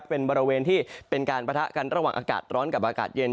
เป็นบริเวณที่เป็นการปะทะกันระหว่างอากาศร้อนกับอากาศเย็น